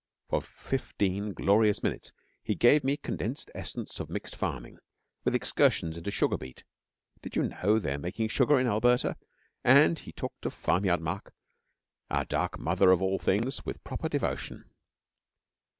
For fifteen glorious minutes he gave me condensed essence of mixed farming, with excursions into sugar beet (did you know they are making sugar in Alberta?), and he talked of farmyard muck, our dark mother of all things, with proper devotion.